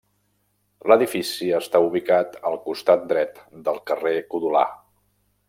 L'edifici està ubicat al costat dret del carrer Codolar.